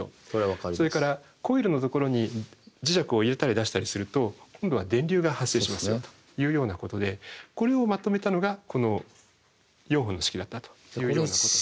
それからコイルのところに磁石を入れたり出したりすると今度は電流が発生しますよというようなことでこれをまとめたのがこの４本の式だったと。